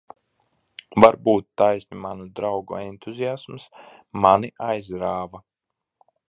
Varbūt, taisni manu draugu entuziasms mani aizrāva.